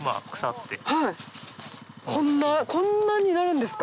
こんなになるんですか？